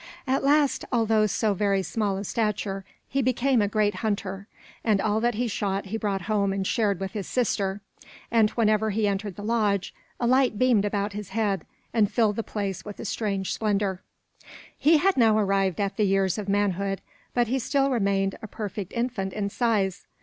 At last, although so very small of stature, he became a great hunter, and all that he shot he brought home and shared with his sister; and whenever he entered the lodge, a light beamed about his head and filled the place with a strange splendor. He had now arrived at the years of manhood, but he still remained a perfect infant in size.